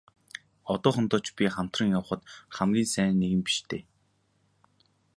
Одоохондоо ч би хамтран явахад хамгийн сайн нэгэн биш дээ.